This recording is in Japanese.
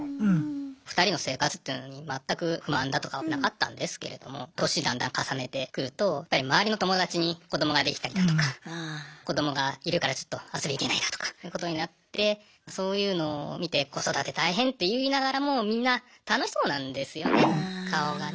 ２人の生活っていうのに全く不満だとかはなかったんですけれども年だんだん重ねてくるとやっぱり周りの友達に子どもができたりだとか子どもがいるから遊び行けないだとかということになってそういうのを見て子育て大変って言いながらもみんな楽しそうなんですよね